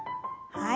はい。